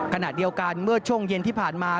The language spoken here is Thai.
ขณะเดียวกันเมื่อช่วงเย็นที่ผ่านมา